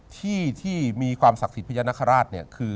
ที่ที่มีความศักดิ์ศิษย์พญานคราชเนี่ย